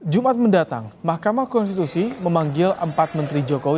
jumat mendatang mahkamah konstitusi memanggil empat menteri jokowi